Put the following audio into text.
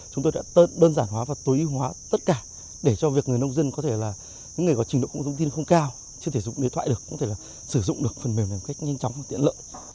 chúng tôi đã đơn giản hóa và tối ưu hóa tất cả để cho việc người nông dân có thể là những người có trình độ công nghệ thông tin không cao chưa thể dùng điện thoại được không thể sử dụng được phần mềm này một cách nhanh chóng và tiện lợi